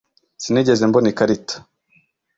sinigeze mbona ikarita